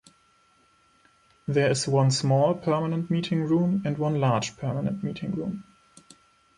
There is one small permanent meeting room and one large permanent meeting room.